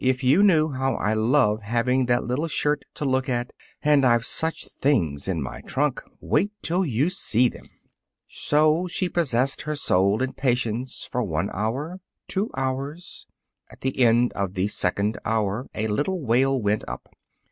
If you knew how I love having that little shirt to look at! And I've such things in my trunk! Wait till you see them." So she possessed her soul in patience for one hour, two hours. At the end of the second hour, a little wail went up.